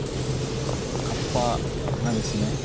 葉っぱがですね